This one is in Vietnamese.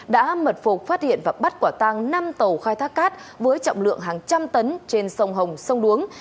đã mật phục phát hiện và bắt quả tăng năm tàu khai thác cát với trọng lượng hàng trăm tấn trên sông hồng sông đuống